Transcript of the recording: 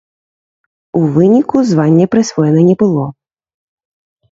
У выніку званне прысвоена не было.